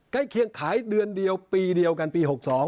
เคียงขายเดือนเดียวปีเดียวกันปี๖๒